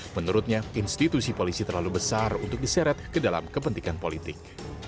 menurutnya institusi polisi terlalu besar untuk diseret ke dalam kepentingan politik